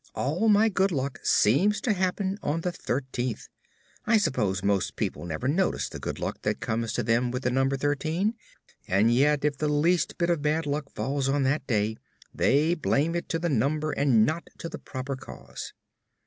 "All my good luck seems to happen on the thirteenth. I suppose most people never notice the good luck that comes to them with the number 13, and yet if the least bit of bad luck falls on that day, they blame it to the number, and not to the proper cause."